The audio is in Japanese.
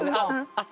あっ。